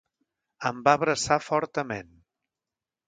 Em va abraçar fortament.